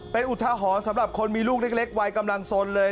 เป็นอุทหรณ์สำหรับคนมีลูกเล็กวัยกำลังสนเลย